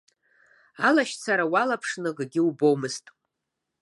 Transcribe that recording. Алашьцара уалԥшны акгьы убомызт.